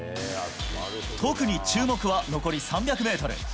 特に注目は、残り３００メートル。